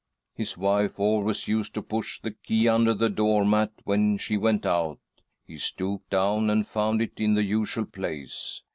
" His wife always used to push the key under the door mat when she went out. He stooped down and found it in the usual place.